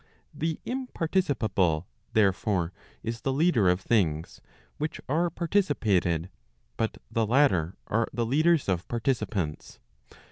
The imparticipable, therefore, is the leader of things which are parti¬ cipated ; but the latter are the leaders of participants.